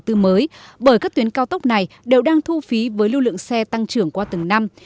tư mới bởi các tuyến cao tốc này đều đang thu phí với lưu lượng xe tăng trưởng qua từng năm